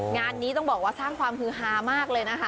งานนี้ต้องบอกว่าสร้างความฮือฮามากเลยนะคะ